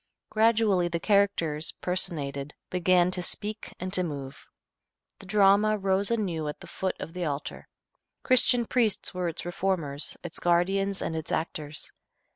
Gradually the characters personated began to speak and to move. The drama rose anew at the foot of the altar. Christian priests were its reformers, its guardians and its actors.